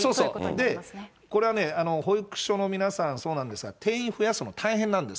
で、これはね、保育所の皆さん、そうなんですが、定員増やすの大変なんです。